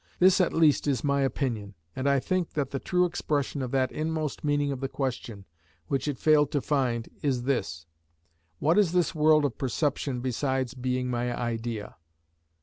This at least is my opinion, and I think that the true expression of that inmost meaning of the question, which it failed to find, is this:—What is this world of perception besides being my idea?